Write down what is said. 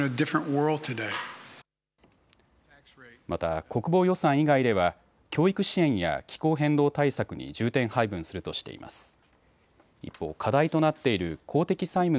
また国防予算以外では教育支援や気候変動対策に重点配分するとしています。